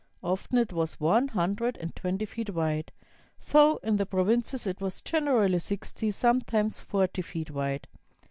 Often it was one hundred and twenty feet wide, though in the provinces it was generally sixty, sometimes forty feet wide.